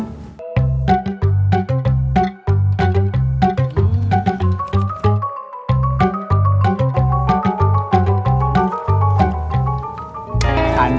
kita ide muolek supportnya